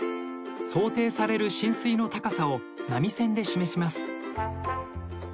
想定される浸水の高さを波線で示します。